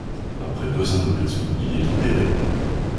Après deux ans de prison, il est libéré.